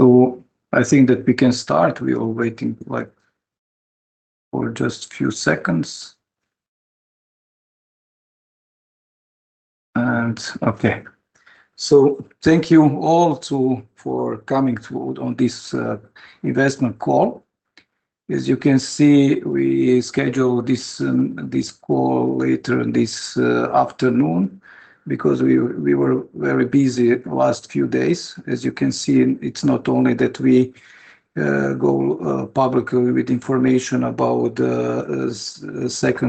I think that we can start. We are waiting for just a few seconds. Okay. Thank you all for coming on this investment call. As you can see, we scheduled this call later this afternoon because we were very busy the last few days. As you can see, it's not only that we go public with information about the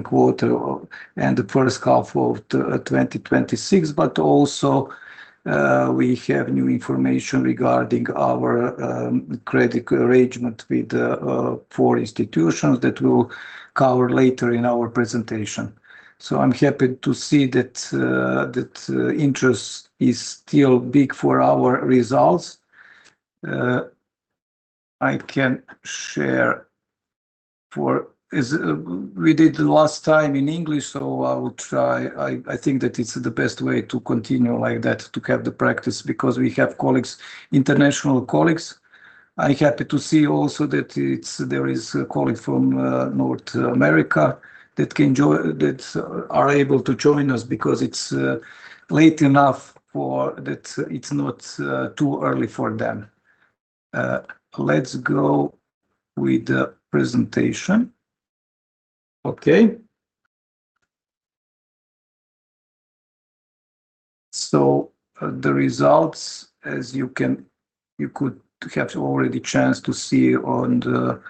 Q2 and the first half of 2026, but also we have new information regarding our credit arrangement with four institutions that we'll cover later in our presentation. I'm happy to see that interest is still big for our results. I can share. We did the last time in English. I will try. I think that it's the best way to continue like that, to have the practice, because we have international colleagues. I'm happy to see also that there is a colleague from North America that are able to join us because it's late enough that it's not too early for them. Let's go with the presentation. Okay. The results, as you could have already chance to see on the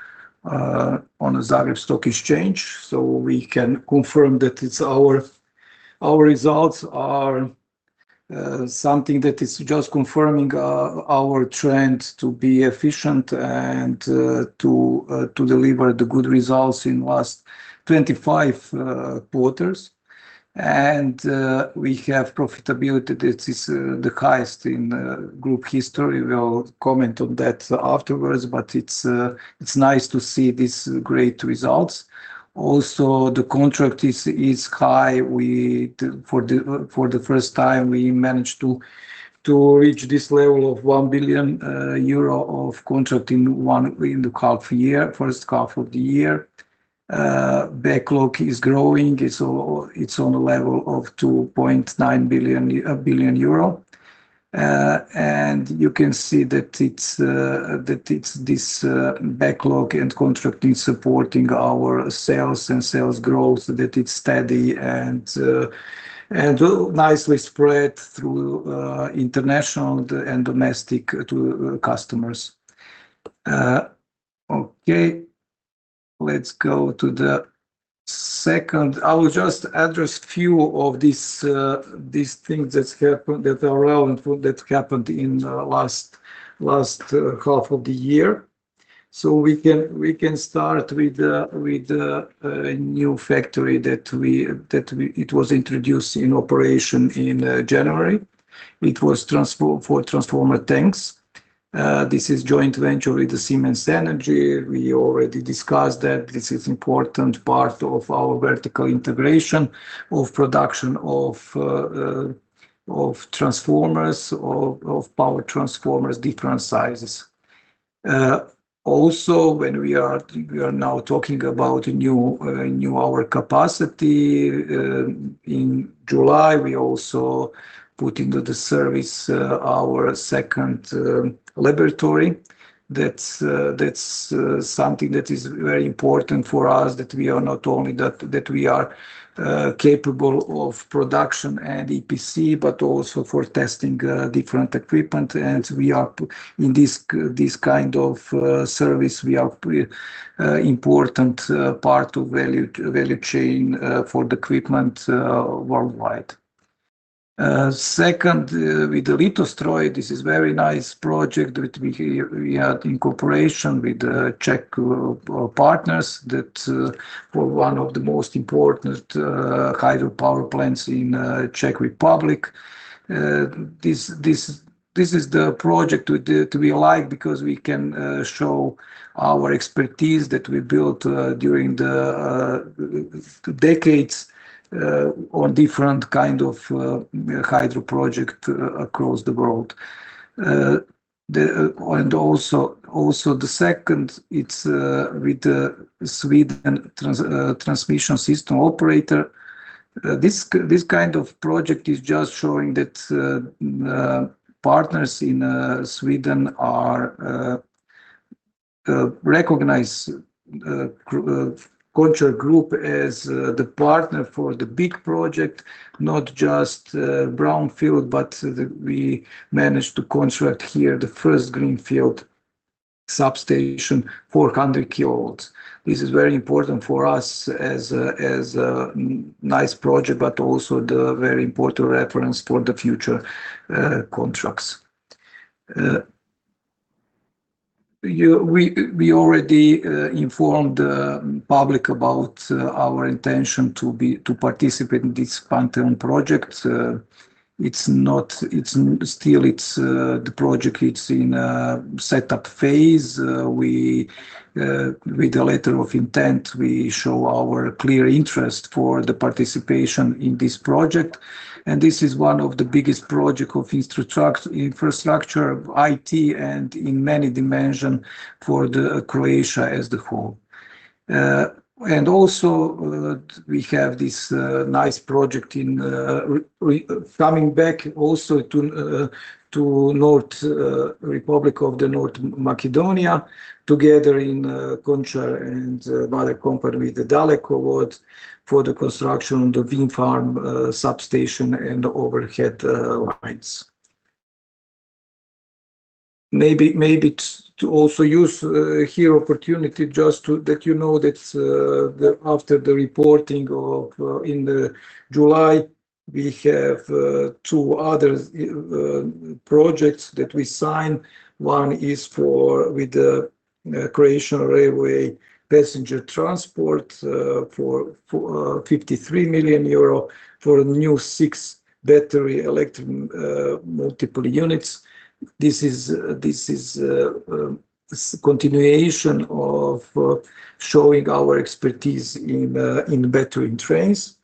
Zagreb Stock Exchange. We can confirm that our results are something that is just confirming our trend to be efficient and to deliver the good results in last 25 quarters. We have profitability that is the highest in group history. We'll comment on that afterwards. It's nice to see these great results. The contract is high. For the first time, we managed to reach this level of 1 billion euro of contract in the first half of the year. Backlog is growing. It's on a level of 2.9 billion. You can see that it's this backlog and contract is supporting our sales and sales growth, that it's steady and nicely spread through international and domestic to customers. Okay, let's go to the second. I will just address few of these things that are relevant that happened in the last half of the year. We can start with a new factory. It was introduced in operation in January. It was for transformer tanks. This is joint venture with the Siemens Energy. We already discussed that this is important part of our vertical integration of production of power transformers, different sizes. When we are now talking about new hour capacity. In July, we also put into the service our second laboratory. That's something that is very important for us, that we are capable of production and EPC, but also for testing different equipment. In this kind of service, we are important part of value chain for the equipment worldwide. Second, with Litostroj, this is very nice project that we had in cooperation with the Czech partners that were one of the most important hydropower plants in Czech Republic. This is the project to be liked because we can show our expertise that we built during the decades on different kind of hydro project across the world. The second, it's with the Sweden transmission system operator. This kind of project is just showing that partners in Sweden recognize KONČAR Group as the partner for the big project, not just brownfield, but we managed to construct here the first greenfield substation, 400 kV. This is very important for us as a nice project. Also the very important reference for the future contracts. We already informed the public about our intention to participate in this Pantheon Project. The project is still in setup phase. With a letter of intent, we show our clear interest for the participation in this project. This is one of the biggest projects of infrastructure, IT, and in many dimensions for Croatia as the whole. We have this nice project coming back also to Republic of North Macedonia together in KONČAR and mother company, Dalekovod, for the construction, the wind farm, substation, and overhead lines. Maybe to also use here opportunity just that you know that after the reporting in July, we have two other projects that we signed. One is with the Croatian Railway passenger transport for 53 million euro for new 6 battery electric multiple units. This is continuation of showing our expertise in battery trains.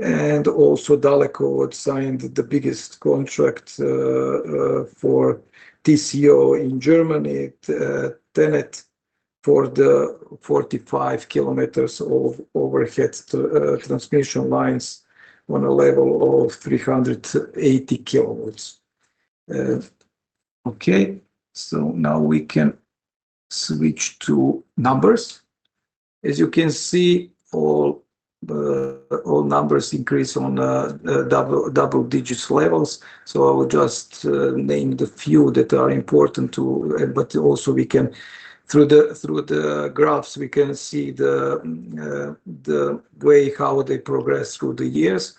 Dalekovod signed the biggest contract for TSO in Germany, TenneT, for the 45 km of overhead transmission lines on a level of 380 kilovolts. Now we can switch to numbers. As you can see, all numbers increase on double-digit levels. I will just name a few numbers that are important, but also through the graphs, we can see the way how they progress through the years.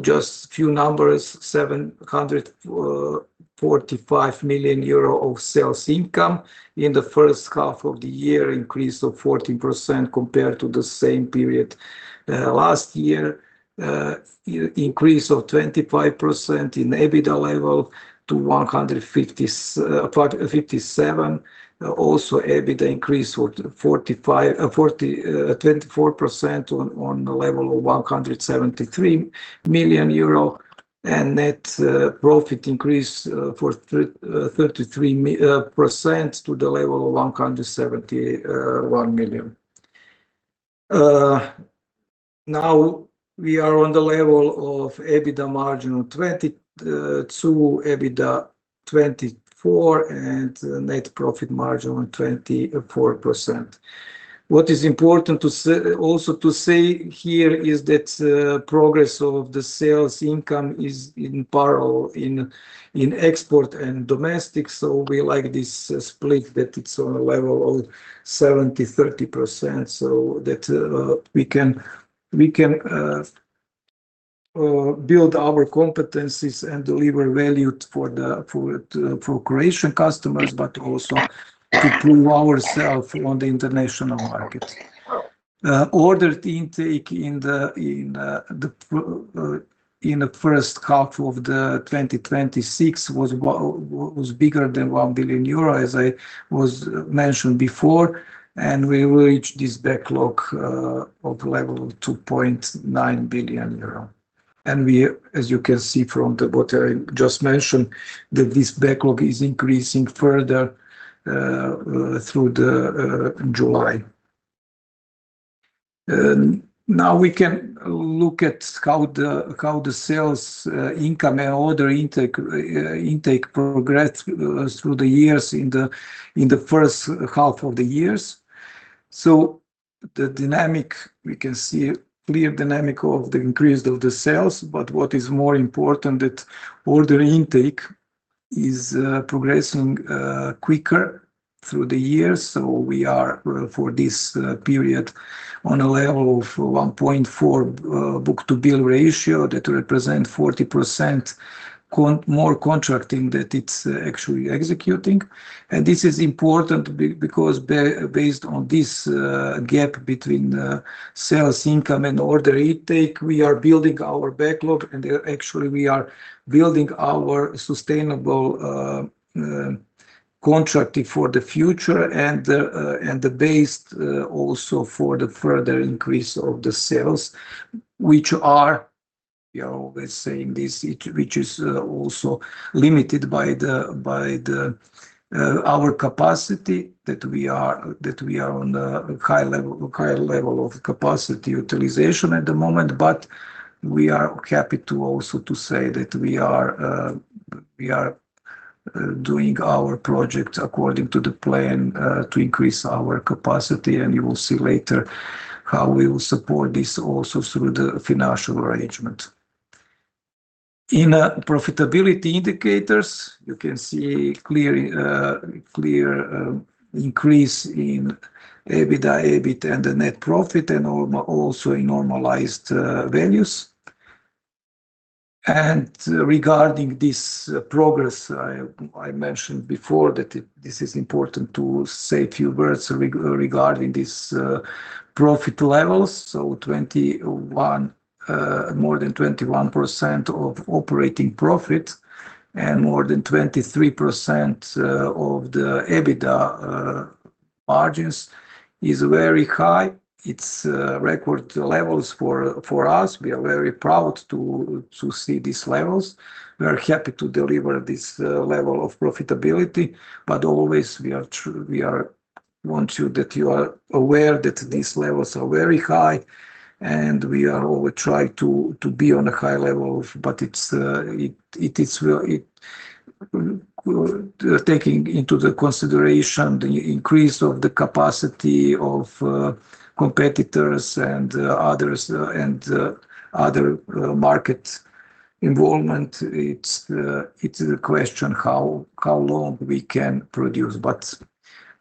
Just a few numbers, 745 million euro of sales income. In the first half of the year, increase of 14% compared to the same period. Last year, increase of 25% in EBITDA level to EUR 157 million. EBITDA increased 24% to EUR 173 million, and net profit increased for 33% to 171 million. We are on the level of EBITDA margin of 22%, EBITDA 24%, and net profit margin on 24%. What is important also to say here is that progress of the sales income is in parallel in export and domestic. We like this split that it's on a level of 70%/30%, that we can build our competencies and deliver value for Croatian customers, but also to prove ourselves on the international market. The order intake in the first half of 2026 was bigger than 1 billion euro, as was mentioned before, and we reached this backlog of 2.9 billion euro. As you can see from what I just mentioned, that this backlog is increasing further through the July. We can look at how the sales income and order intake progressed through the years in the first half of the years. The dynamic, we can see clear dynamic of the increase of the sales, but what is more important that order intake is progressing quicker through the years. We are, for this period, on a level of 1.4 book-to-bill ratio that represents 40% more contracting that is actually executing. This is important because based on this gap between sales income and order intake, we are building our backlog, and actually, we are building our sustainable contracting for the future and the base also for further increase of the sales, which is also limited by our capacity, that we are on a high level of capacity utilization at the moment. We are happy to also to say that we are doing our project according to the plan, to increase our capacity, and you will see later how we will support this also through the financial arrangement. In profitability indicators, you can see clear increase in EBITDA, EBIT and the net profit and also in normalized values. Regarding this progress, I mentioned before that this is important to say a few words regarding these profit levels. More than 21% of operating profit and more than 23% of the EBITDA margins is very high. It's record levels for us. We are very proud to see these levels. We are happy to deliver this level of profitability. Always, we want you that you are aware that these levels are very high, and we are always trying to be on a high level. Taking into the consideration the increase of the capacity of competitors and other market involvement, it's a question how long we can produce.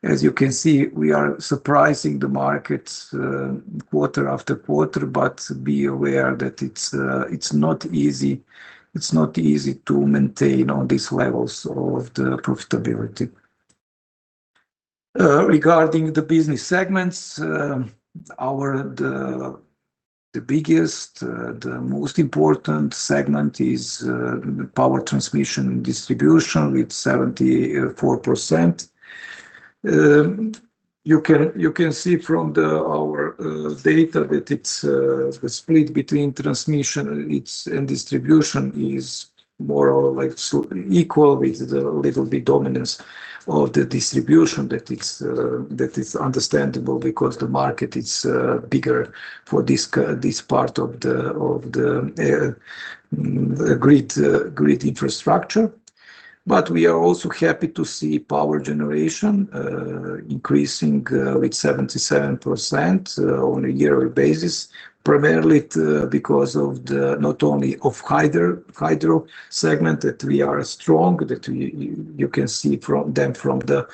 As you can see, we are surprising the markets quarter after quarter, but be aware that it's not easy to maintain on these levels of the profitability. Regarding the business segments, the biggest, the most important segment is the power transmission and distribution with 74%. You can see from our data that it's the split between transmission and distribution is more or less equal with the little bit dominance of the distribution that is understandable because the market is bigger for this part of the grid infrastructure. We are also happy to see power generation increasing with 77% on a yearly basis, primarily because of the not only of hydro segment that we are strong, that you can see them from the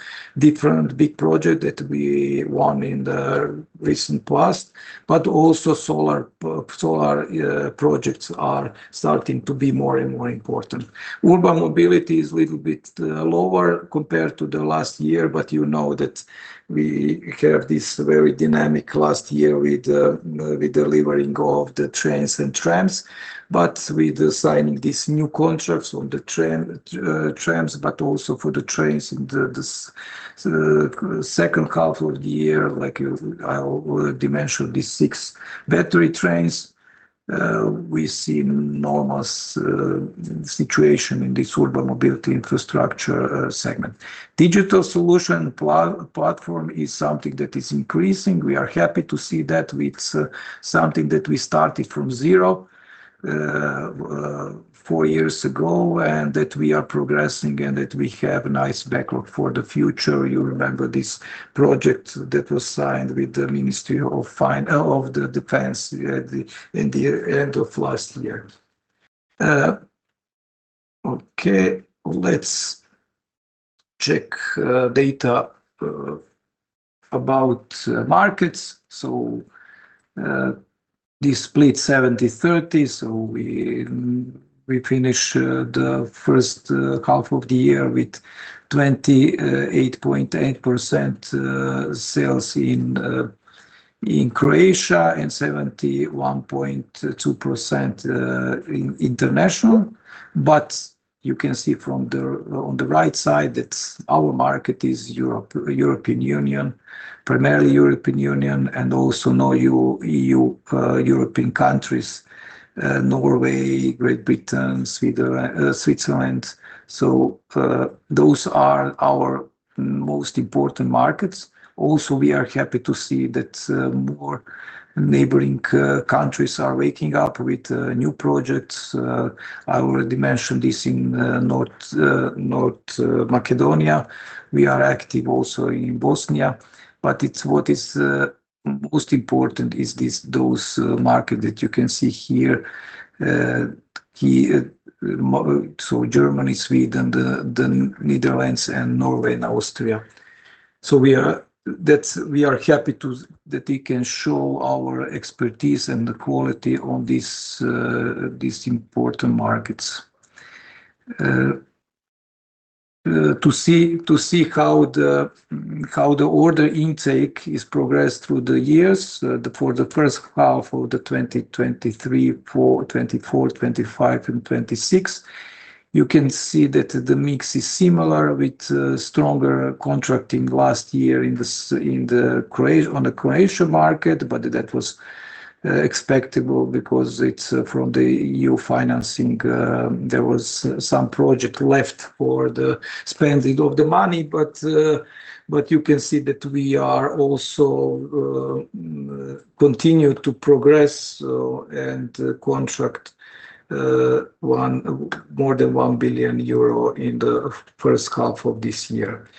different big project that we won in the recent past. Also solar projects are starting to be more and more important. Urban mobility is a little bit lower compared to the last year, but you know that we have this very dynamic last year with the delivering of the trains and trams. With the signing these new contracts on the trams, but also for the trains in the second half of the year, like I already mentioned, these six battery trains, we see enormous situation in this urban mobility infrastructure segment. Digital solution platform is something that is increasing. We are happy to see that with something that we started from zero four years ago, and that we are progressing and that we have a nice backlog for the future. You remember this project that was signed with the Ministry of Defense in the end of last year. Let's check data about markets. The split 70-30. We finish the first half of the year with 28.8% sales in Croatia and 71.2% international. You can see on the right side that our market is primarily European Union and also non-EU European countries, Norway, Great Britain, Switzerland. Those are our most important markets. Also, we are happy to see that more neighboring countries are waking up with new projects. I already mentioned this in North Macedonia. We are active also in Bosnia, what is most important is those markets that you can see here. Germany, Sweden, the Netherlands, and Norway, and Austria. We are happy that we can show our expertise and the quality on these important markets. To see how the order intake is progressed through the years for the first half of the 2023, 2024, 2025, and 2026. You can see that the mix is similar with stronger contracting last year on the Croatia market. That was expectable because it's from the EU financing. There was some project left for the spending of the money, you can see that we are also continued to progress, and contract more than 1 billion euro in the first half of this year.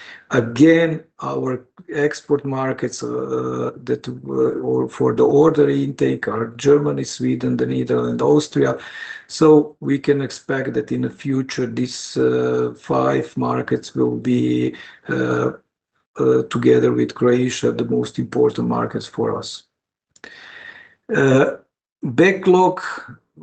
Our export markets, for the order intake are Germany, Sweden, the Netherlands, and Austria. We can expect that in the future, these five markets will be Together with Croatia, the most important markets for us. Backlog,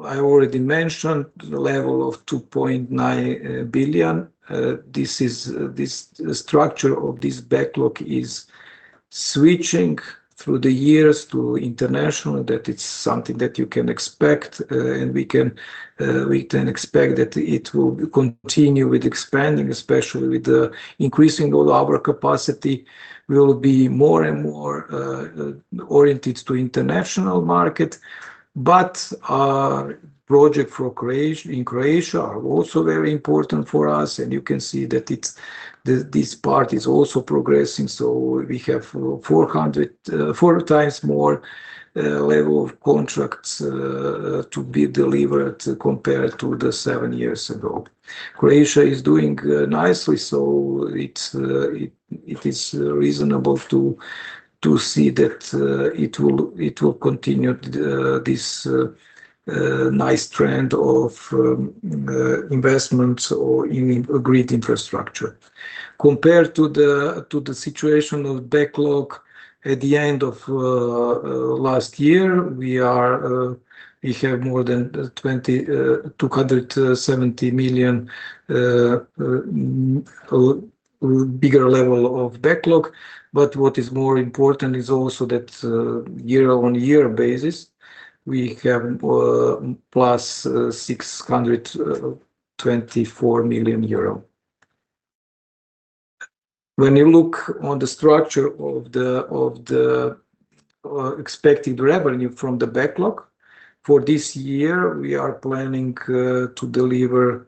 I already mentioned the level of 2.9 billion. The structure of this backlog is switching through the years to international, that it's something that you can expect, and we can expect that it will continue with expanding, especially with the increasing of our capacity, will be more and more oriented to international market. Our project in Croatia are also very important for us, and you can see that this part is also progressing. We have four times more level of contracts to be delivered compared to the seven years ago. Croatia is doing nicely, it is reasonable to see that it will continue this nice trend of investments or in grid infrastructure. Compared to the situation of backlog at the end of last year, we have more than 270 million bigger level of backlog. What is more important is also that year-on-year basis, we have +624 million euro. When you look on the structure of the expected revenue from the backlog for this year, we are planning to deliver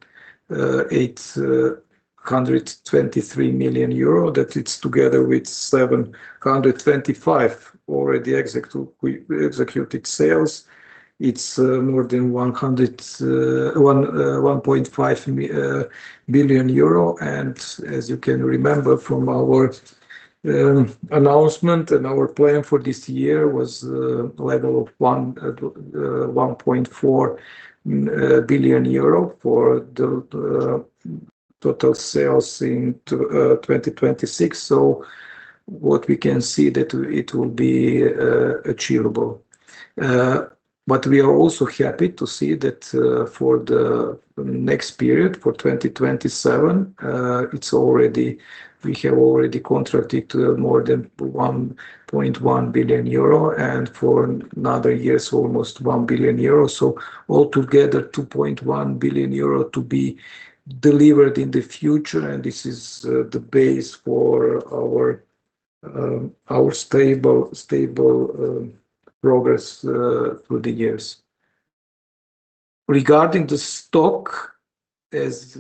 823 million euro. That it's together with 725 million already executed sales. It's more than 1.5 billion euro. As you can remember from our announcement and our plan for this year was level of 1.4 billion euro for the total sales in 2026. What we can see that it will be achievable. We are also happy to see that for the next period, for 2027, we have already contracted more than 1.1 billion euro, and for another years, almost 1 billion euro. Altogether, 2.1 billion euro to be delivered in the future, and this is the base for our stable progress through the years. Regarding the stock, this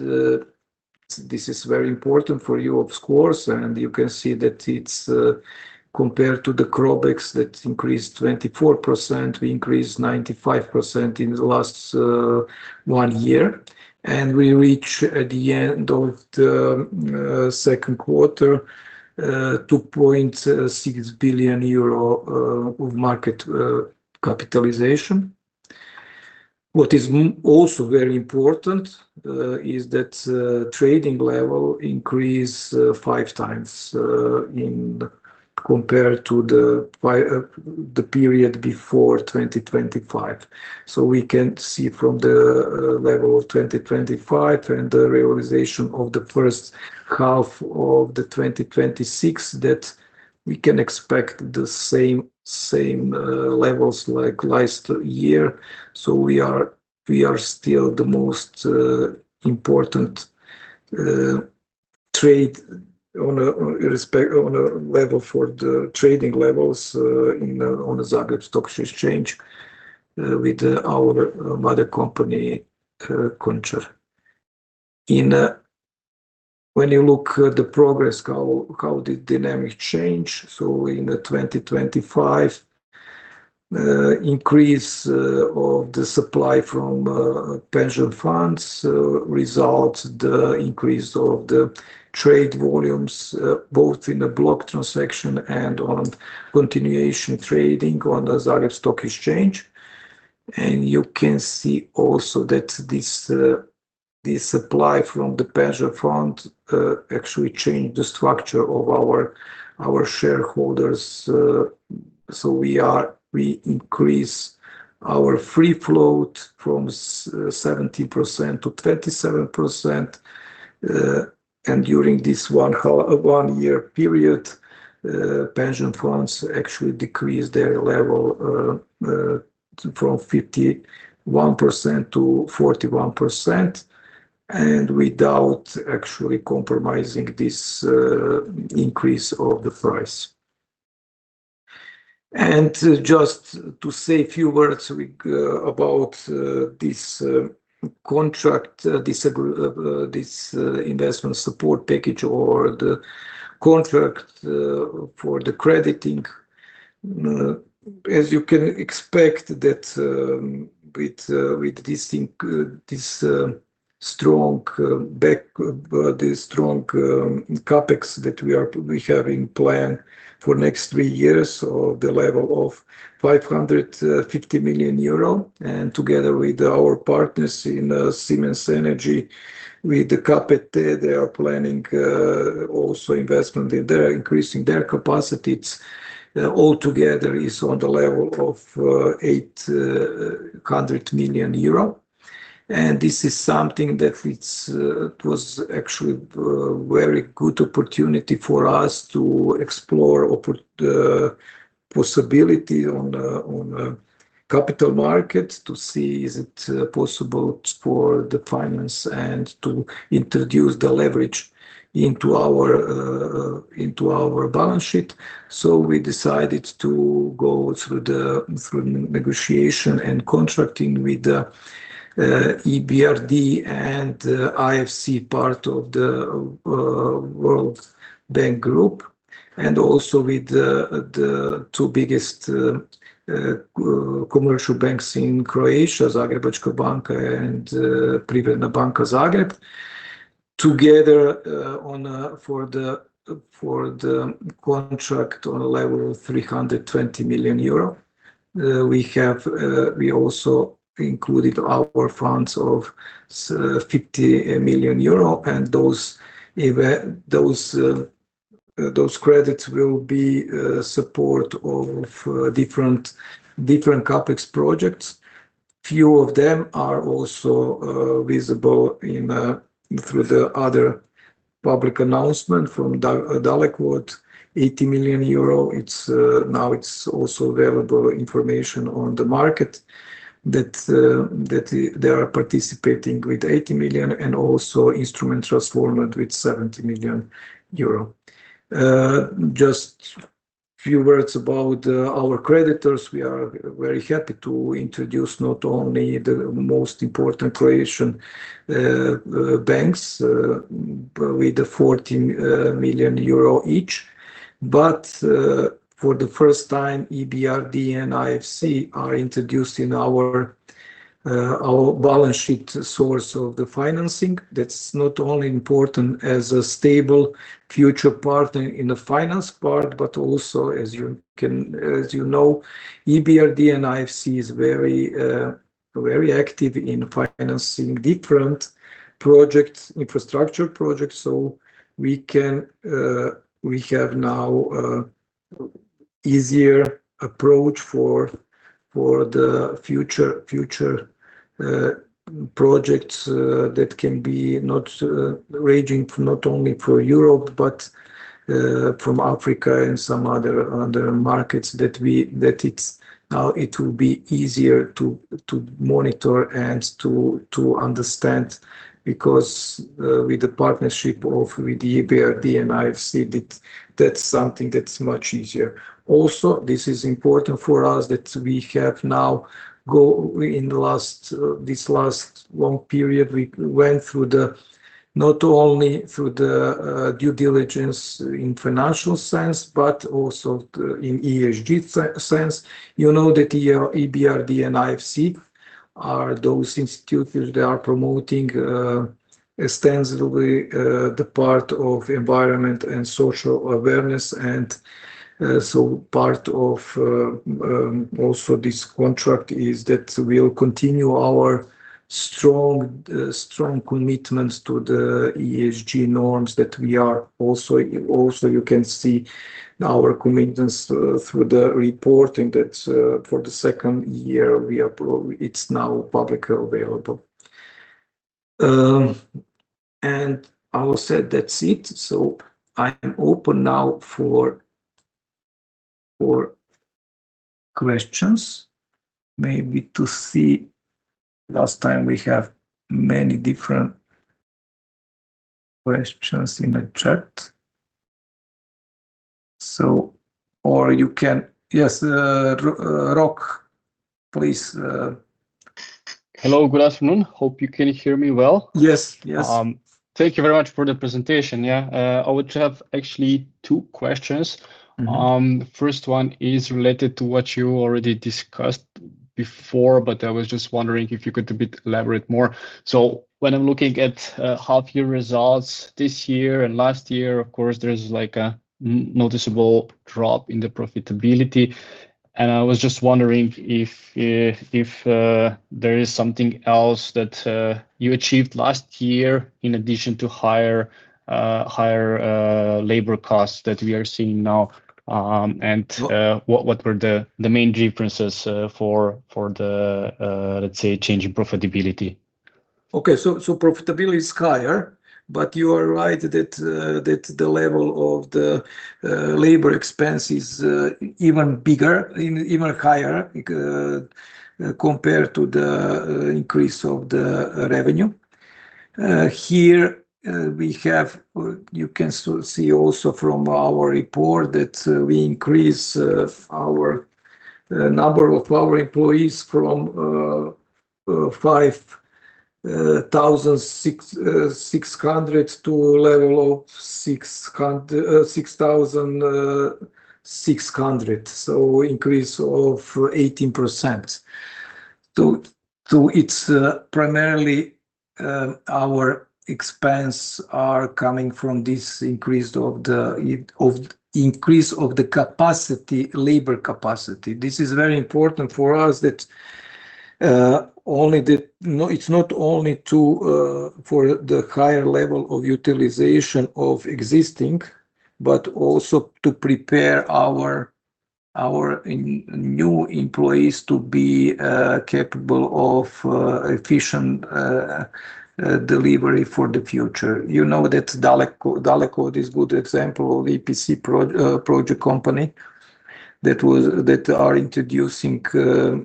is very important for you, of course, and you can see that it's compared to the CROBEX that increased 24%, we increased 95% in the last one year, and we reach at the end of the Q2, EUR 2.6 billion of market capitalization. What is also very important is that trading level increase five times compared to the period before 2025. We can see from the level of 2025 and the realization of the first half of the 2026 that we can expect the same levels like last year. We are still the most important trade on a level for the trading levels on the Zagreb Stock Exchange with our mother company, KONČAR. When you look at the progress, how the dynamic change. In 2025, increase of the supply from pension funds results the increase of the trade volumes, both in the block transaction and on continuation trading on the Zagreb Stock Exchange. You can see also that the supply from the pension fund actually changed the structure of our shareholders. We increase our free float from 17% to 27%. During this one year period, pension funds actually decreased their level from 51% to 41%, without actually compromising this increase of the price. Just to say a few words about this contract, this investment support package or the contract for the crediting. As you can expect with this strong CapEx that we have in plan for next three years of the level of 550 million euro, together with our partners in Siemens Energy With the CapEx, they are planning also investment in increasing their capacity. It's all together is on the level of 800 million euro. This is something that was actually very good opportunity for us to explore possibility on capital markets to see is it possible for the finance and to introduce the leverage into our balance sheet. We decided to go through negotiation and contracting with the EBRD and IFC part of the World Bank Group, also with the two biggest commercial banks in Croatia, Zagrebačka banka and Privredna banka Zagreb. Together for the contract on a level of 320 million euro, we also included our funds of 50 million euro, and those credits will be support of different CapEx projects. Few of them are also visible through the other public announcement from Dalekovod, 80 million euro. Now it's also available information on the market that they are participating with 80 million and also Instrument Transformers with 70 million euro. Just few words about our creditors. We are very happy to introduce not only the most important Croatian banks with 40 million euro each, but for the first time, EBRD and IFC are introduced in our balance sheet source of the financing. That's not only important as a stable future partner in the finance part, but also as you know, EBRD and IFC is very active in financing different projects, infrastructure projects. We have now easier approach for the future projects that can be ranging not only for Europe, but from Africa and some other markets that now it will be easier to monitor and to understand, because with the partnership with the EBRD and IFC, that's something that's much easier. This is important for us that we have now, in this last long period, we went not only through the due diligence in financial sense, but also in ESG sense. You know that EBRD and IFC are those institutes, they are promoting extensively the part of environment and social awareness. Part of also this contract is that we'll continue our strong commitments to the ESG norms that we are also, you can see now our commitments through the reporting that for the second year it's now publicly available. I will say that's it. I am open now for questions. Maybe to see last time we have many different questions in the chat. You can Yes, Rok, please. Hello. Good afternoon. Hope you can hear me well. Yes. Thank you very much for the presentation. I would have actually two questions. First one is related to what you already discussed before, but I was just wondering if you could elaborate more. When I'm looking at half-year results this year and last year, of course, there's a noticeable drop in the profitability, and I was just wondering if there is something else that you achieved last year in addition to higher labor costs that we are seeing now, and what were the main differences for the, let's say, change in profitability? Okay. Profitability is higher, you are right that the level of the labor expense is even bigger, even higher compared to the increase of the revenue. Here you can see also from our report that we increase number of our employees from 5,600 to level of 6,600. Increase of 18%. It's primarily our expense are coming from this increase of the labor capacity. This is very important for us that it's not only for the higher level of utilization of existing, but also to prepare our new employees to be capable of efficient delivery for the future. You know that Dalekovod is a good example of EPC project company that are introducing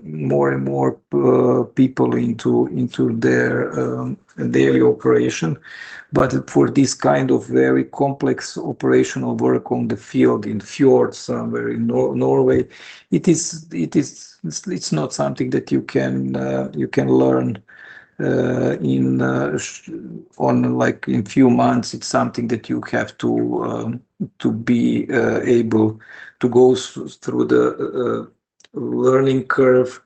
more and more people into their daily operation. For this kind of very complex operational work on the field in fjords somewhere in Norway, it's not something that you can learn in a few months. It's something that you have to be able to go through the learning curve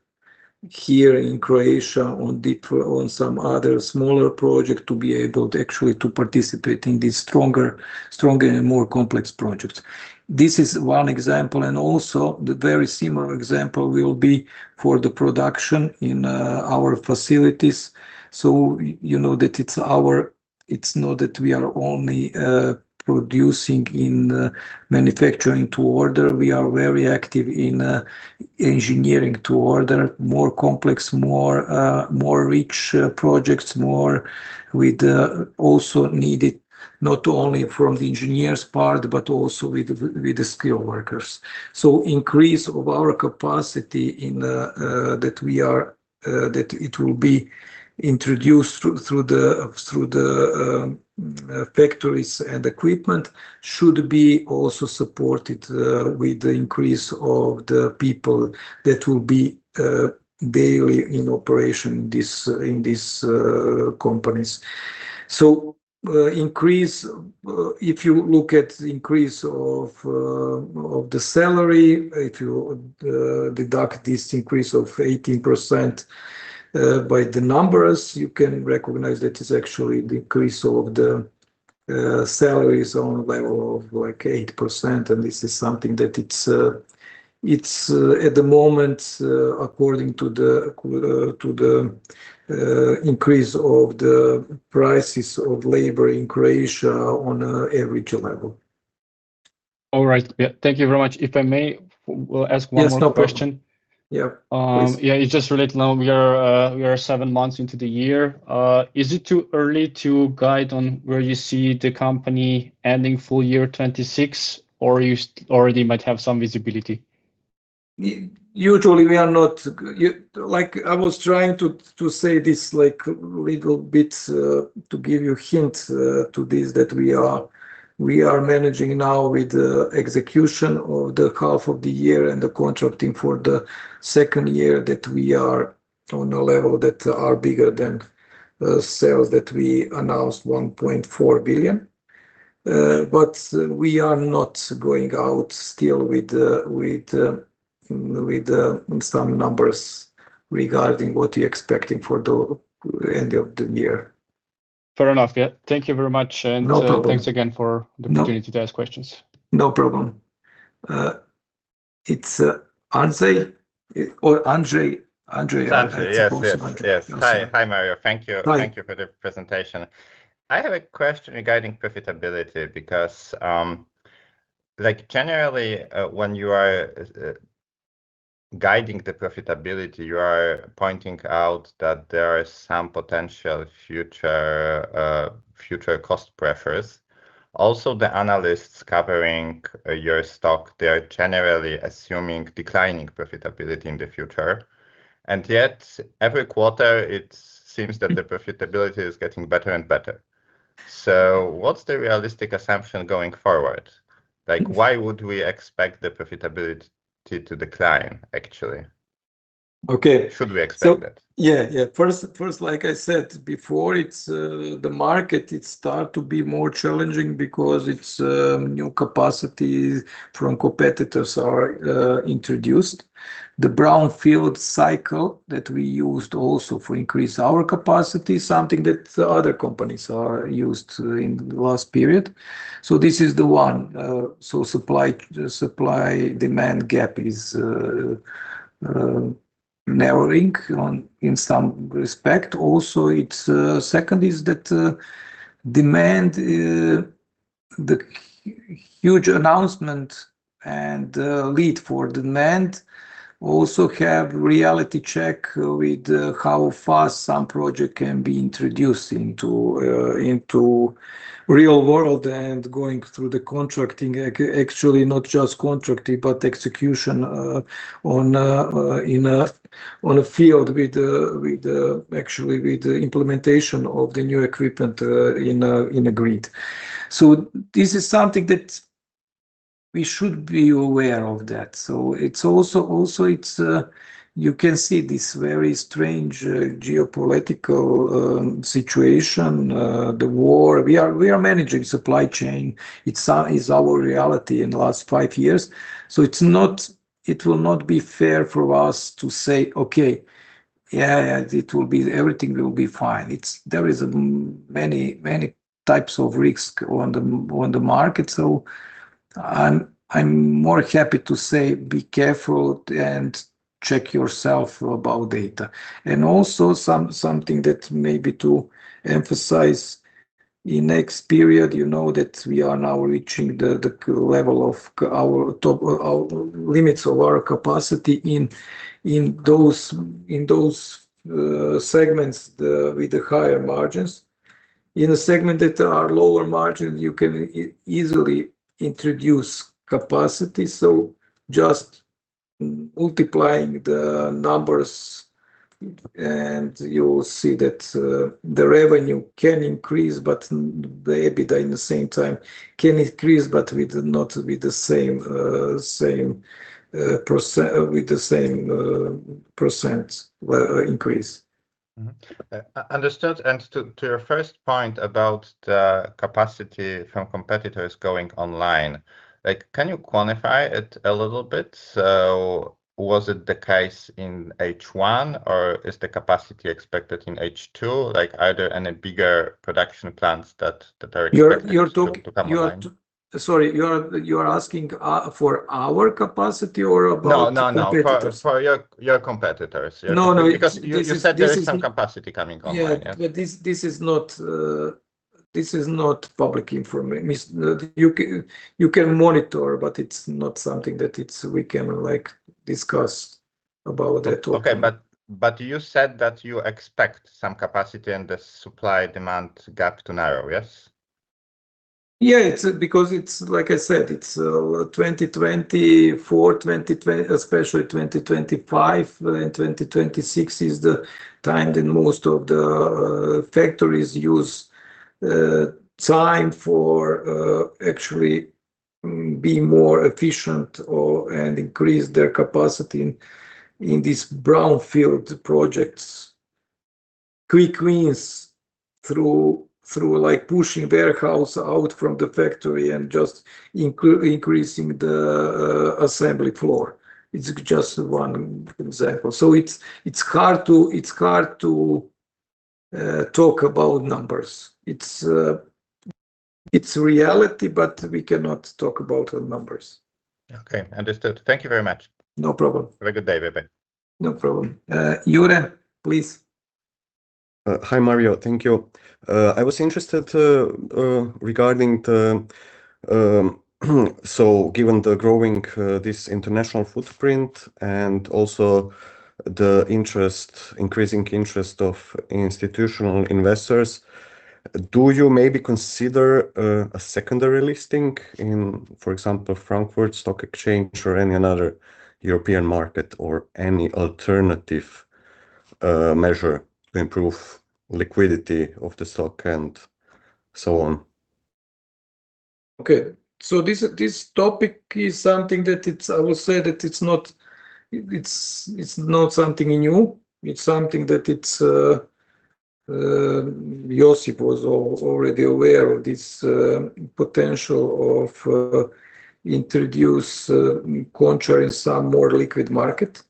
here in Croatia on some other smaller project, to be able to actually participate in these stronger and more complex projects. This is one example, and also the very similar example will be for the production in our facilities. You know that it's not that we are only producing in manufacturing to order. We are very active in engineering to order more complex, more rich projects, also needed not only from the engineers' part, but also with the skilled workers. Increase of our capacity, that it will be introduced through the factories and equipment should be also supported with the increase of the people that will be daily in operation in these companies. If you look at the increase of the salary, if you deduct this increase of 18% by the numbers, you can recognize that it's actually the increase of the salaries on level of 8%. This is something that it's at the moment according to the increase of the prices of labor in Croatia on an average level. All right. Thank you very much. If I may, I will ask one more question. Yes, no problem. Please. Yeah, it's just related. Now we are seven months into the year. Is it too early to guide on where you see the company ending full year 2026, or you already might have some visibility? Usually we are not. I was trying to say this little bit, to give you hint to this, that we are managing now with the execution of the half of the year and the contracting for the second year that we are on a level that are bigger than sales, that we announced 1.4 billion. We are not going out still with some numbers regarding what you're expecting for the end of the year. Fair enough. Yeah. Thank you very much. No problem. Thanks again for the opportunity to ask questions. No problem. It's Andrzej. Or Andrzej. It's Andrzej. Yes. I suppose. Andrzej. Yes. Hi, Mario. Thank you. Hi. Thank you for the presentation. Generally, when you are guiding the profitability, you are pointing out that there are some potential future cost pressure. The analysts covering your stock, they are generally assuming declining profitability in the future. Yet every quarter it seems that the profitability is getting better and better. What's the realistic assumption going forward? Why would we expect the profitability to decline, actually? Okay. Should we expect that? Yeah. First, like I said before, it's the market. It start to be more challenging because it's new capacity from competitors are introduced. The brown field cycle that we used also for increase our capacity, something that other companies are used in the last period. This is the one. Supply-demand gap is narrowing in some respect. It's second is that demand, the huge announcement and lead for demand also have reality check with how fast some project can be introduced into real world and going through the contracting, actually, not just contracting, but execution on a field, actually, with the implementation of the new equipment as agreed. This is something that we should be aware of that. It's also, you can see this very strange geopolitical situation, the war. We are managing supply chain. It's our reality in the last five years. It will not be fair for us to say, "Okay. Yeah, everything will be fine." There is many types of risk on the market. I'm more happy to say be careful and check yourself about data. Also something that maybe to emphasize in next period, you know that we are now reaching the level of our limits of our capacity in those segments with the higher margins. In a segment that are lower margin, you can easily introduce capacity. Just multiplying the numbers and you will see that the revenue can increase, but the EBITDA in the same time can increase, but not with the same % increase. Mm-hmm. Understood. To your first point about the capacity from competitors going online, can you quantify it a little bit? Was it the case in H1 or is the capacity expected in H2? Are there any bigger production plans that are expected to come online? Sorry, you are asking for our capacity or about competitors? No, for your competitors. No. You said there is some capacity coming online. Yeah. This is not public information. You can monitor, but it's not something that we can discuss about that. Okay. You said that you expect some capacity and the supply-demand gap to narrow, yes? Yeah, like I said, 2024, especially 2025 and 2026 is the time that most of the factories use time for actually be more efficient and increase their capacity in this brownfield projects. Quick wins through pushing warehouse out from the factory and just increasing the assembly floor. It's just one example. It's hard to talk about numbers. It's reality, but we cannot talk about numbers. Okay, understood. Thank you very much. No problem. Have a good day, bye-bye. No problem. Jure, please. Hi, Mario. Thank you. I was interested regarding, given the growing this international footprint and also the increasing interest of institutional investors, do you maybe consider a secondary listing in, for example, Frankfurt Stock Exchange or any other European market or any alternative measure to improve liquidity of the stock and so on? Okay. This topic is something that I will say that it's not something new. It's something that Josip was already aware of this potential of introduce KONČAR in some more liquid market.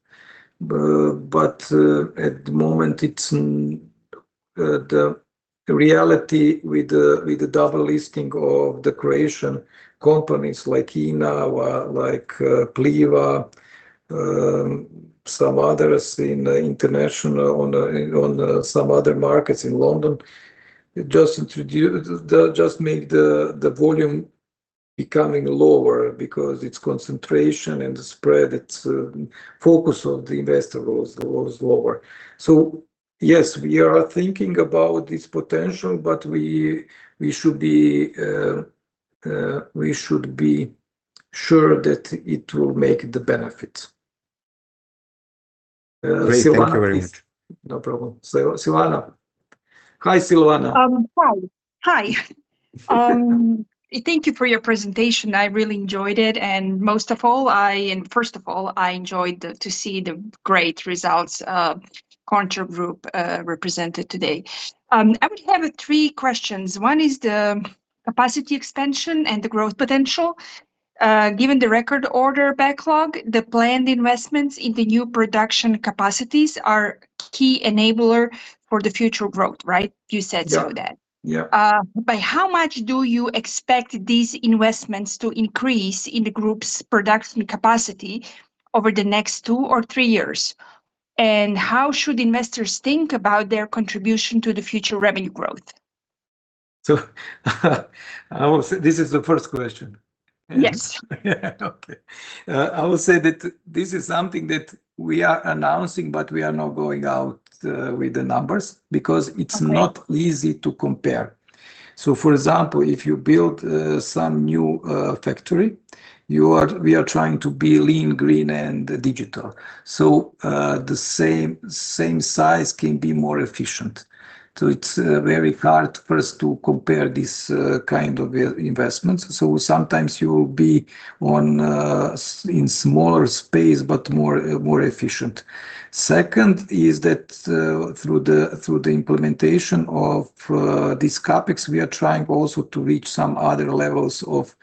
At the moment, it's the reality with the double listing of the Croatian companies like INA, like Pliva, some others in international, on some other markets in London. It just make the volume becoming lower because its concentration and the spread, its focus of the investor goes lower. Yes, we are thinking about this potential, but we should be sure that it will make the benefit. Silvana, please. Great. Thank you very much. No problem. Silvana. Hi, Silvana. Hi. Thank you for your presentation. I really enjoyed it. Most of all, and first of all, I enjoyed to see the great results, KONČAR Group represented today. I would have three questions. One is the capacity expansion and the growth potential. Given the record order backlog, the planned investments in the new production capacities are key enabler for the future growth, right? You said so that. Yeah. By how much do you expect these investments to increase in the group's production capacity over the next two or three years? How should investors think about their contribution to the future revenue growth? This is the first question. Yes. Okay. I would say that this is something that we are announcing, but we are not going out with the numbers because it's not easy to compare. For example, if you build some new factory, we are trying to be lean, green and digital. The same size can be more efficient. It's very hard for us to compare this kind of investments. Sometimes you will be in smaller space, but more efficient. Second is that through the implementation of these CapEx, we are trying also to reach some other levels of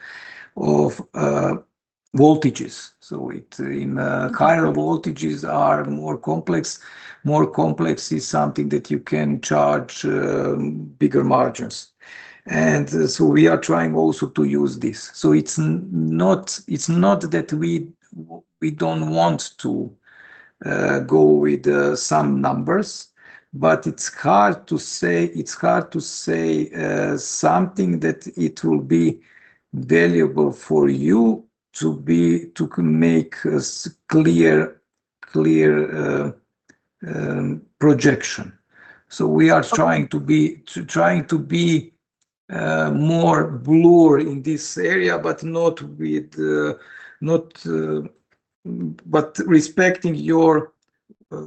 voltages. Higher voltages are more complex. More complex is something that you can charge bigger margins. We are trying also to use this. It's not that we don't want to go with some numbers, but it's hard to say something that it'll be valuable for you to make a clear projection. We are trying to be more clear in this area, but respecting your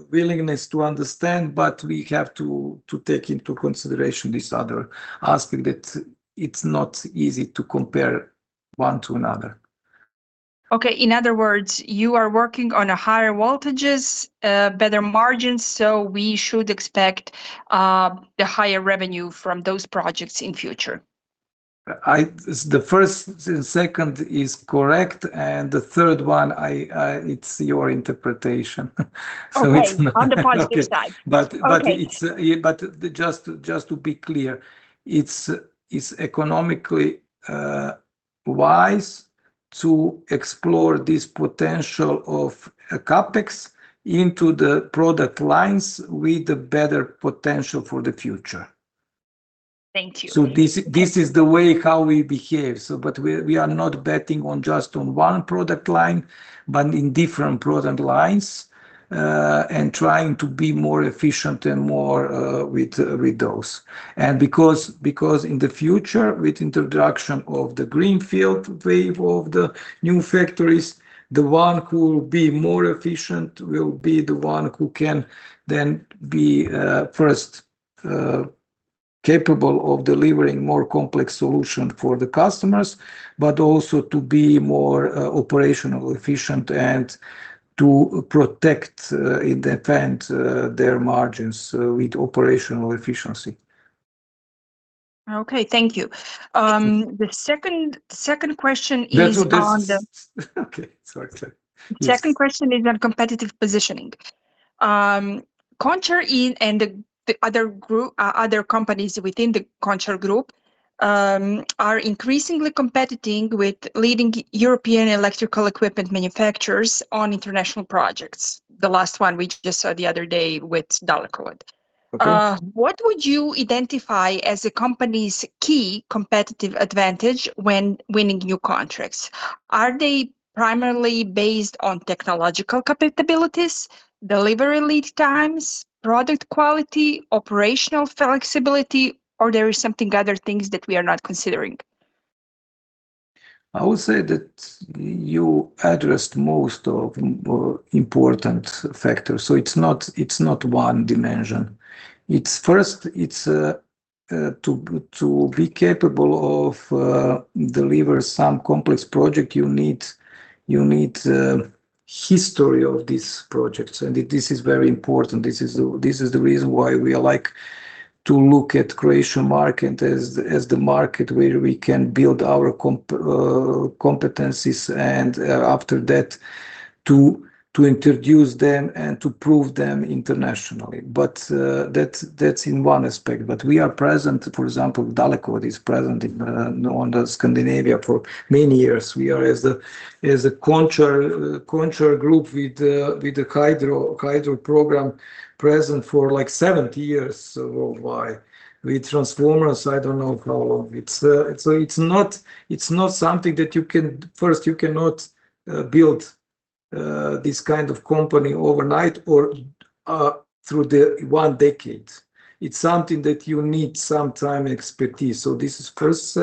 willingness to understand, we have to take into consideration this other aspect, that it's not easy to compare one to another. In other words, you are working on higher voltages, better margins, we should expect the higher revenue from those projects in future? The first and second is correct, the third one, it's your interpretation. On the positive side. Just to be clear, it's economically wise to explore this potential of CapEx into the product lines with a better potential for the future. Thank you. This is the way how we behave. We are not betting just on one product line, but in different product lines, and trying to be more efficient with those. Because in the future, with introduction of the greenfield wave of the new factories, the one who will be more efficient will be the one who can then be, first, capable of delivering more complex solution for the customers, but also to be more operational efficient, and to protect, in the end, their margins with operational efficiency. Okay. Thank you. The second question is on the. That was this. Sorry. The second question is on competitive positioning. KONČAR and the other companies within the KONČAR Group are increasingly competing with leading European electrical equipment manufacturers on international projects. The last one we just saw the other day with Dalekovod. Okay. What would you identify as the company's key competitive advantage when winning new contracts? Are they primarily based on technological capabilities, delivery lead times, product quality, operational flexibility, or there is something other things that we are not considering? I would say that you addressed most of important factors. It's not one dimension. First, to be capable of deliver some complex project, you need history of these projects, and this is very important. This is the reason why we like to look at Croatian market as the market where we can build our competencies, and after that, to introduce them and to prove them internationally. That's in one aspect. We are present, for example, Dalekovod is present on the Scandinavia for many years. We are, as a KONČAR Group with the Hydro program, present for 70 years worldwide. With transformers, I don't know for how long. First, you cannot build this kind of company overnight or through the one decade. It's something that you need some time and expertise. This is first.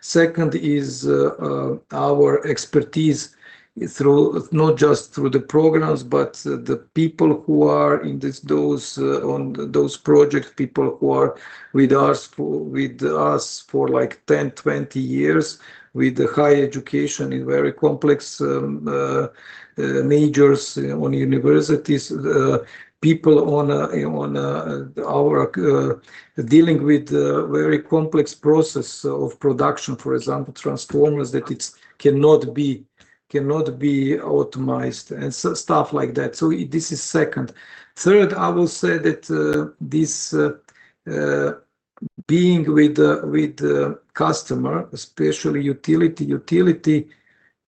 Second is, our expertise, not just through the programs, but the people who are on those projects, people who are with us for 10, 20 years, with high education in very complex majors on universities. People dealing with very complex process of production, for example, transformers, that it cannot be automated and stuff like that. This is second. Third, I will say, being with customer, especially utility,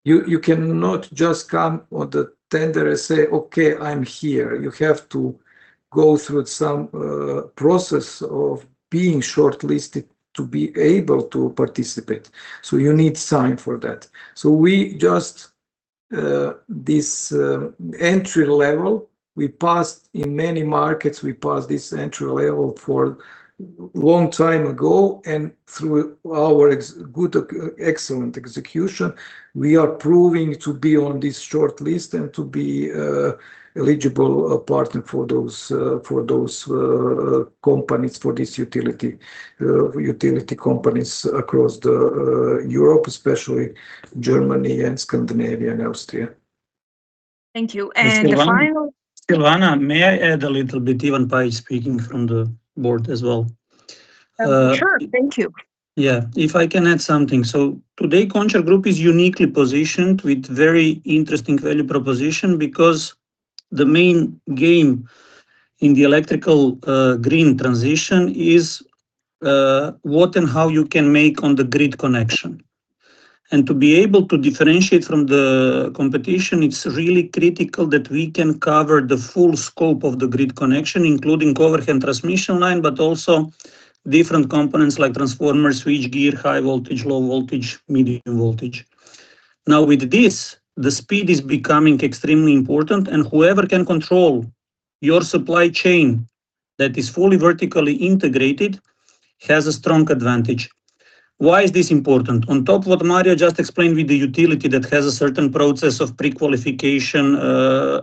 you cannot just come on the tender and say, "Okay, I'm here." You have to go through some process of being shortlisted to be able to participate. You need sign for that. We just, this entry level, we passed in many markets. We passed this entry level for long time ago. Through our excellent execution, we are proving to be on this shortlist and to be an eligible partner for those utility companies across Europe, especially Germany and Scandinavia and Austria. Thank you. Finally. Silvana, may I add a little bit? Ivan Paić speaking from the board as well. Sure. Thank you. Yeah, if I can add something. Today, KONČAR Group is uniquely positioned with very interesting value proposition because the main game in the electrical green transition is what and how you can make on the grid connection. To be able to differentiate from the competition, it's really critical that we can cover the full scope of the grid connection, including overhead transmission line, but also different components like transformers, switchgear, high voltage, low voltage, medium voltage. With this, the speed is becoming extremely important, and whoever can control your supply chain that is fully vertically integrated has a strong advantage. Why is this important? On top what Mario just explained with the utility that has a certain process of prequalification,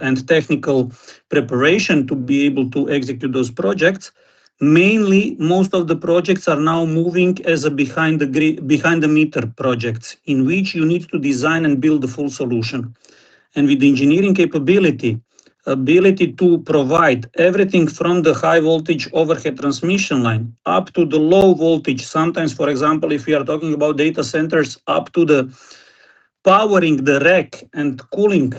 and technical preparation to be able to execute those projects, mainly, most of the projects are now moving as a behind the meter projects, in which you need to design and build the full solution. With the engineering capability, ability to provide everything from the high voltage overhead transmission line up to the low voltage. Sometimes, for example, if we are talking about data centers, up to the powering the rack and cooling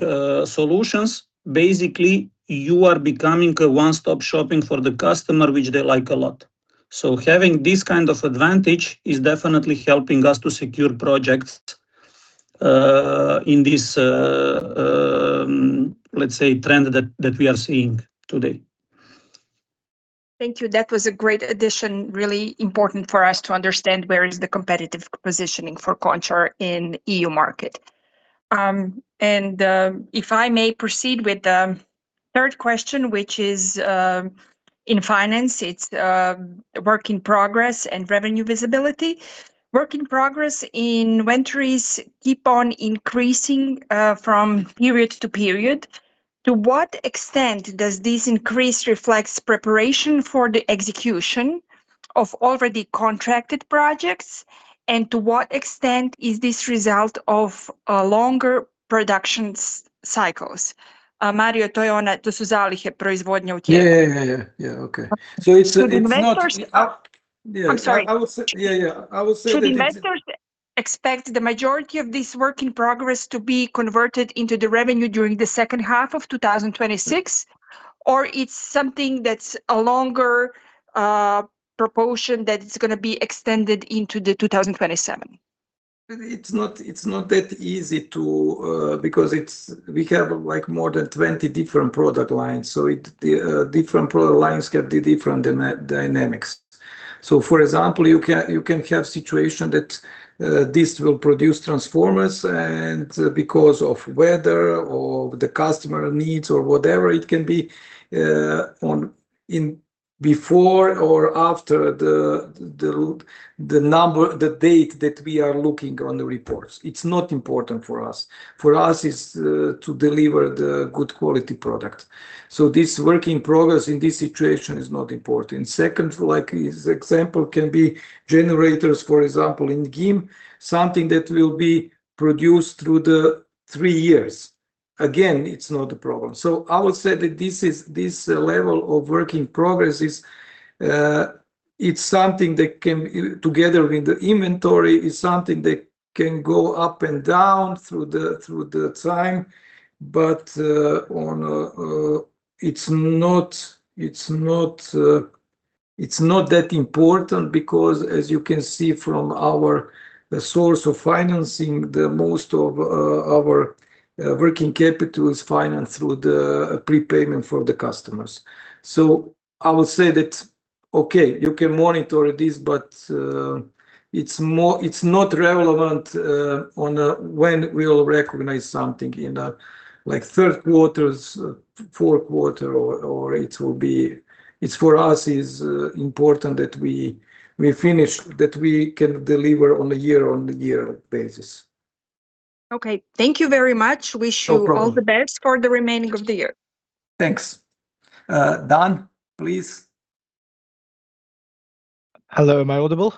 solutions, basically, you are becoming a one-stop shopping for the customer, which they like a lot. Having this kind of advantage is definitely helping us to secure projects in this, let's say, trend that we are seeing today. Thank you. That was a great addition. Really important for us to understand where is the competitive positioning for KONČAR in EU market. If I may proceed with the third question, which is, in finance, it's work in progress and revenue visibility. Work in progress inventories keep on increasing from period to period. To what extent does this increase reflects preparation for the execution of already contracted projects, and to what extent is this result of longer production cycles? Mario, Yeah. Okay. it's not Should investors Oh, I'm sorry. Yeah. I will say that it's Should investors expect the majority of this work in progress to be converted into the revenue during the second half of 2026, or it's something that's a longer proportion that is going to be extended into the 2027? We have more than 20 different product lines. Different product lines can be different dynamics. For example, you can have situation that this will produce transformers, and because of weather or the customer needs or whatever it can be, before or after the date that we are looking on the reports. It's not important for us. For us, it's to deliver the good quality product. This work in progress in this situation is not important. Second, like this example can be generators, for example, in GIM, something that will be produced through the 3 years. Again, it's not a problem. I would say that this level of work in progress, it's something that came together in the inventory. It's something that can go up and down through the time. It's not that important because, as you can see from our source of financing, the most of our working capital is financed through the prepayment for the customers. I would say that, okay, you can monitor this, but it's not relevant on when we will recognize something in a third quarter, fourth quarter. It's, for us, is important that we finish, that we can deliver on a year-on-year basis. Okay. Thank you very much. No problem. Wish you all the best for the remaining of the year. Thanks. Dan, please. Hello, am I audible?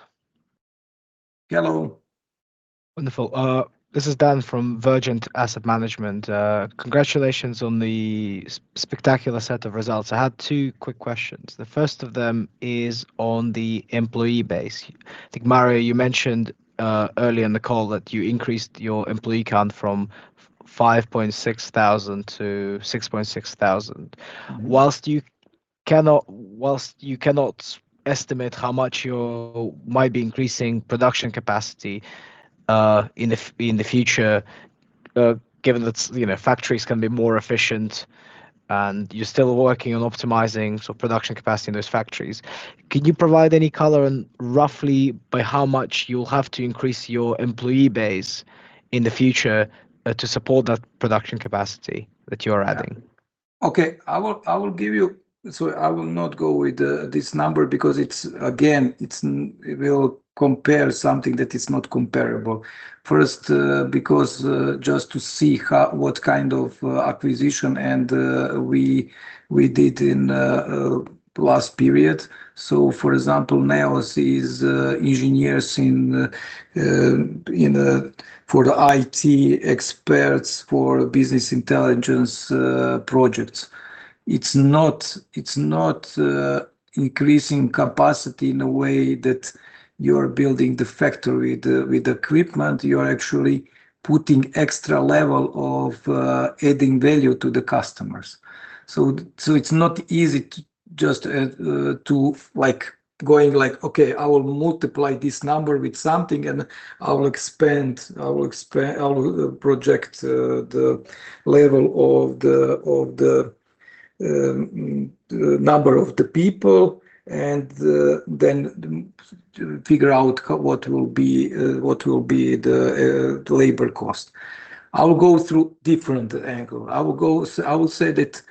Hello. Wonderful. This is Dan from Vergent Asset Management. Congratulations on the spectacular set of results. I had two quick questions. The first of them is on the employee base. I think, Mario, you mentioned earlier in the call that you increased your employee count from 5,600 to 6,600. Whilst you cannot estimate how much you might be increasing production capacity in the future, given that factories can be more efficient and you're still working on optimizing production capacity in those factories. Can you provide any color on roughly by how much you'll have to increase your employee base in the future to support that production capacity that you are adding? I will not go with this number because, again, we'll compare something that is not comparable. First, because just to see what kind of acquisition and we did in last period. For example, now is engineers for the IT experts for business intelligence projects. It's not increasing capacity in a way that you're building the factory with equipment. You're actually putting extra level of adding value to the customers. It's not easy just going like, "I will multiply this number with something, and I will project the level of the number of the people and then figure out what will be the labor cost." I will go through different angle. I will say that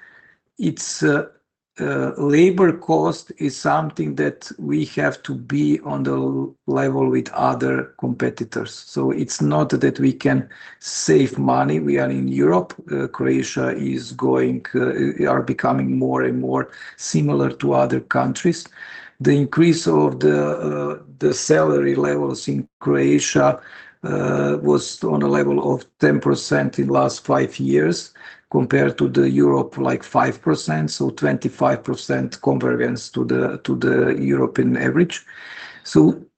labor cost is something that we have to be on the level with other competitors. It's not that we can save money. We are in Europe. Croatia are becoming more and more similar to other countries. The increase of the salary levels in Croatia was on a level of 10% in last five years, compared to the Europe, like 5%, so 25% comparison to the European average.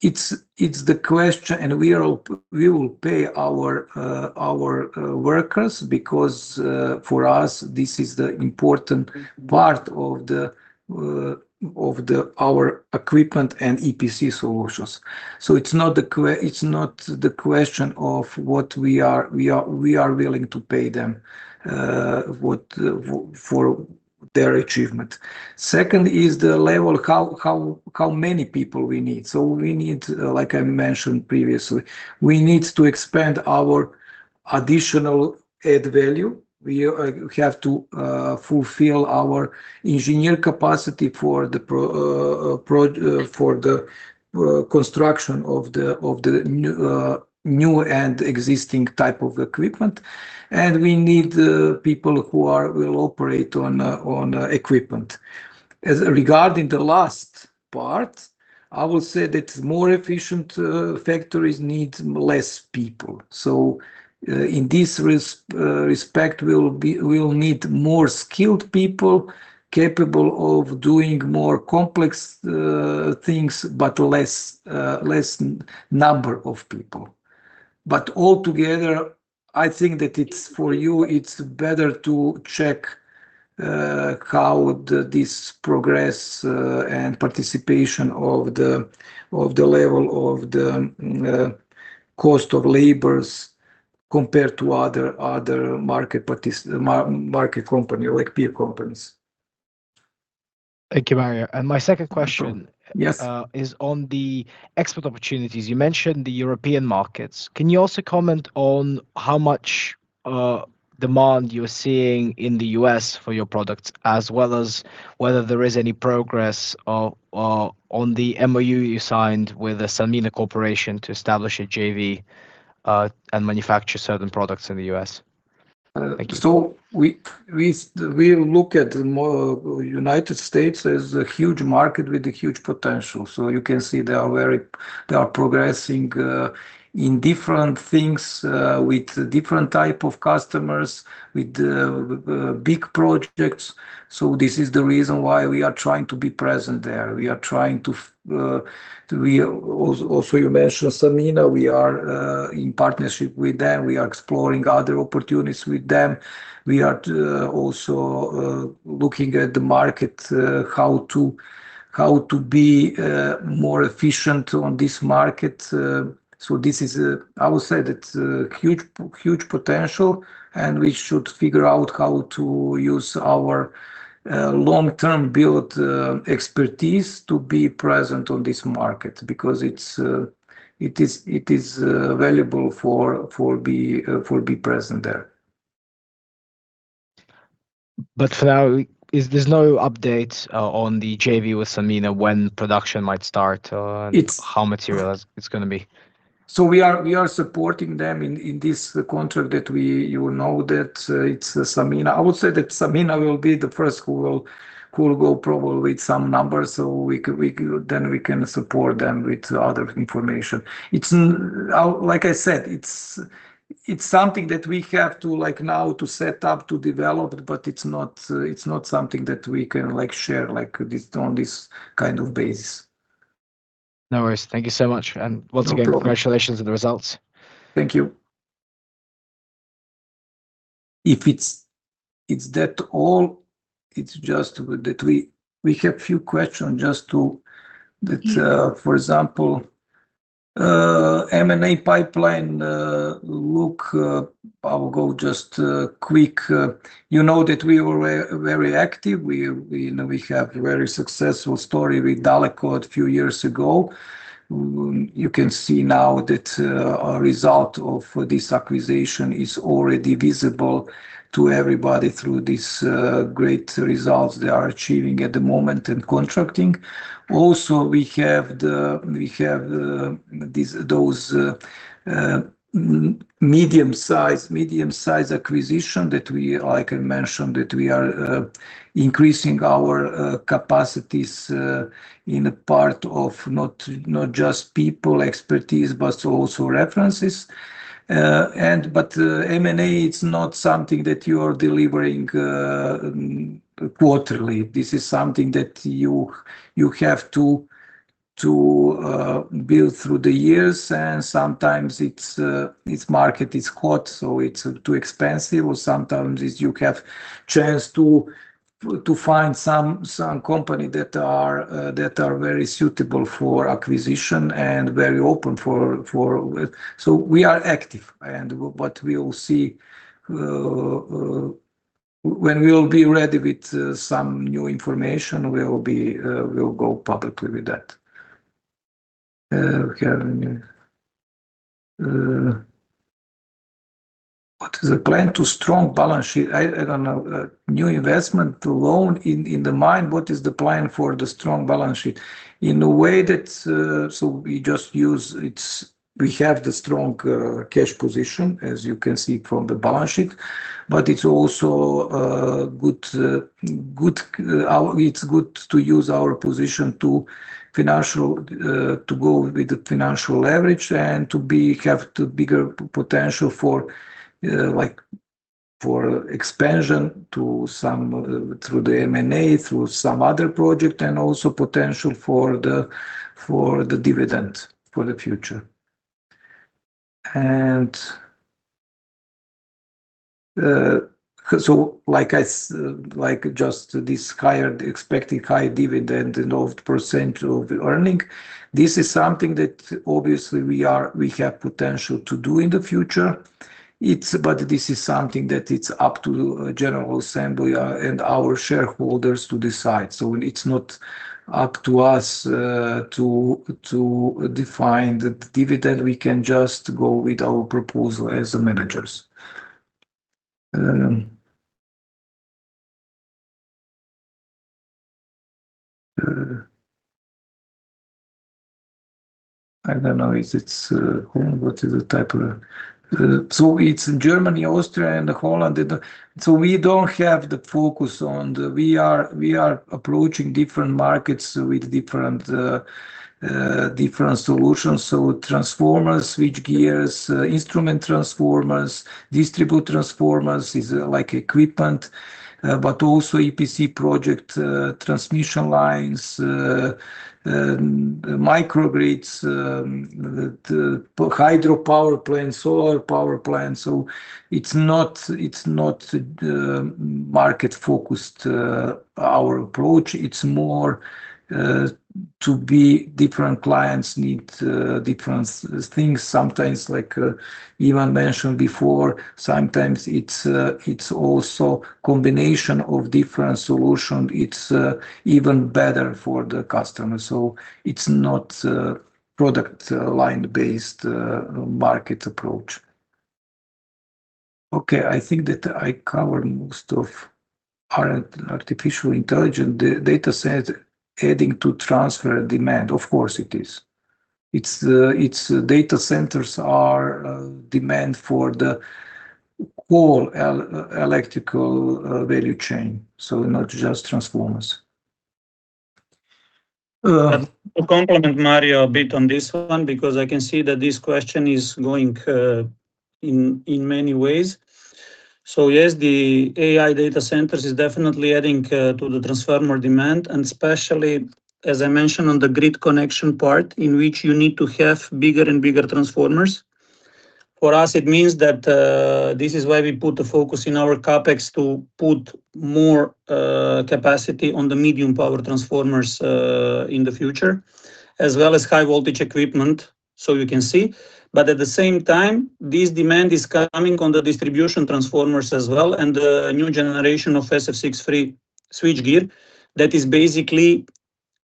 It's the question, we will pay our workers because for us, this is the important part of our equipment and EPC solutions. It's not the question of what we are willing to pay them for their achievement. Second is the level, how many people we need. We need, like I mentioned previously, we need to expand our additional add value. We have to fulfill our engineering capacity for the construction of the new and existing type of equipment. We need people who will operate on equipment. As regarding the last part, I will say that more efficient factories need less people. In this respect, we'll need more skilled people capable of doing more complex things, but less number of people. All together, I think that it's for you, it's better to check how this progress and participation of the level of the cost of labor compared to other market company, like peer companies. Thank you, Mario. My second question. No problem. Yes Is on the export opportunities. You mentioned the European markets. Can you also comment on how much demand you're seeing in the U.S. for your products, as well as whether there is any progress on the MOU you signed with the Sanmina Corporation to establish a JV, and manufacture certain products in the U.S.? Thank you. We look at United States as a huge market with a huge potential. You can see they are progressing in different things, with different type of customers, with big projects. This is the reason why we are trying to be present there. Also, you mentioned Sanmina. We are in partnership with them. We are exploring other opportunities with them. We are also looking at the market, how to be more efficient on this market. I would say that's a huge potential, and we should figure out how to use our long-term build expertise to be present on this market, because it is valuable for be present there. For now, there's no update on the JV with Samina, when production might start. It's- How materialized it's going to be? We are supporting them in this contract that you know that it's Samina. I would say that Samina will be the first who will go probably with some numbers, then we can support them with other information. I said, it's something that we have to now to set up to develop, it's not something that we can share on this kind of basis. No worries. Thank you so much. Once again. No problem. Congratulations on the results. Thank you. If it's that all, it's just that we have few question for example, M&A pipeline look. I will go just quick. You know that we were very active. We have very successful story with Dalekovod few years ago. You can see now that a result of this acquisition is already visible to everybody through this great results they are achieving at the moment in contracting. Also, we have those medium-size acquisition that I can mention, that we are increasing our capacities in a part of not just people expertise, but also references. M&A is not something that you are delivering quarterly. This is something that you have to build through the years and sometimes its market is hot, so it's too expensive. Sometimes you have chance to find some company that are very suitable for acquisition and very open for it. We are active, but we will see. When we will be ready with some new information, we'll go publicly with that. What is the plan to strong balance sheet? What is the plan for the strong balance sheet? In a way that, we just use its-- We have the strong cash position, as you can see from the balance sheet, but it's good to use our position to go with the financial leverage and to have bigger potential for expansion through the M&A, through some other project, and also potential for the dividend for the future. Just this expecting high dividend of percent of earning, this is something that obviously we have potential to do in the future. This is something that it's up to general assembly and our shareholders to decide. It's not up to us to define the dividend. We can just go with our proposal as managers. I don't know. It's in Germany, Austria, and Holland. We are approaching different markets with different solutions. Transformers, switchgears, instrument transformers, distribution transformers is like equipment, but also EPC project, transmission lines, microgrids, the hydropower plant, solar power plant. It's not market-focused, our approach. It's more to be different clients need different things sometimes. Like Ivan mentioned before, sometimes it's also combination of different solutions. It's even better for the customer. It's not product line based market approach. Okay. I think that I covered most of our artificial intelligence data set adding to transformer demand. Of course it is. It's data centers are demand for the whole electrical value chain, so not just transformers. To complement Mario a bit on this one, because I can see that this question is going in many ways. Yes, the AI data centers is definitely adding to the transformer demand, and especially, as I mentioned, on the grid connection part, in which you need to have bigger and bigger transformers. For us, it means that this is why we put the focus in our CapEx to put more capacity on the medium power transformers in the future, as well as high voltage equipment. You can see. At the same time, this demand is coming on the distribution transformers as well and the new generation of SF6-free switchgear that is basically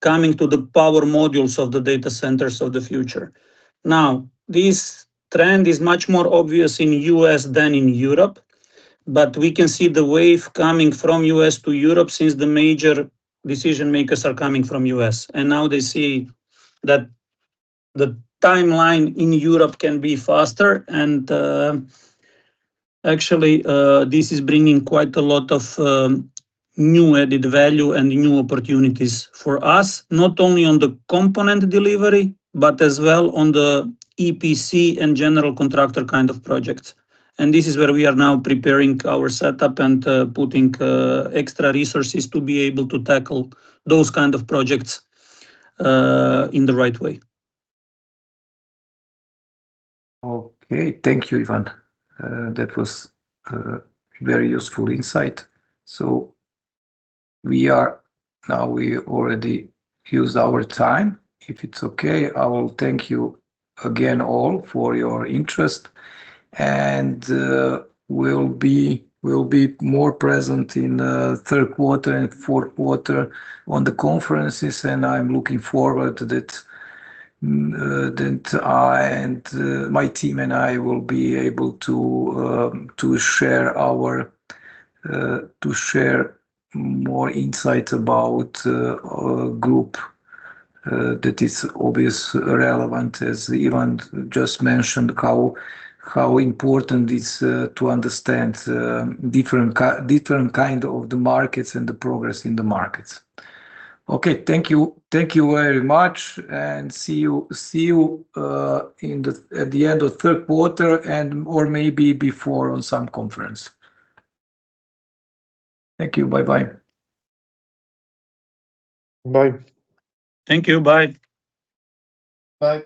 coming to the power modules of the data centers of the future. Now, this trend is much more obvious in U.S. than in Europe. We can see the wave coming from U.S. to Europe, since the major decision makers are coming from U.S. Now they see that the timeline in Europe can be faster and, actually, this is bringing quite a lot of new added value and new opportunities for us, not only on the component delivery, but as well on the EPC and general contractor kind of projects. This is where we are now preparing our setup and putting extra resources to be able to tackle those kind of projects in the right way. Okay. Thank you, Ivan. That was very useful insight. Now we already used our time. If it's okay, I will thank you again, all, for your interest. We'll be more present in third quarter and fourth quarter on the conferences, and I'm looking forward that my team and I will be able to share more insights about our group that is obviously relevant, as Ivan just mentioned, how important it is to understand different kind of the markets and the progress in the markets. Okay. Thank you very much and see you at the end of third quarter or maybe before on some conference. Thank you. Bye bye. Bye. Thank you. Bye. Bye